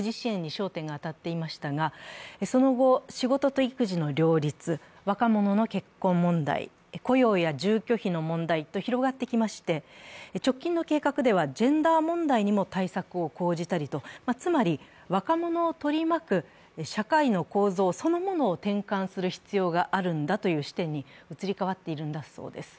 焦点が当たっていましたがその後、仕事と育児の両立若者の結婚問題、雇用や住居費の問題と広がってきまして、直近の計画ではジェンダー問題にも対策を講じたりと、つまり若者を取り巻く社会の構造そのものを転換する必要があるんだという視点に移り変わっているんだそうです。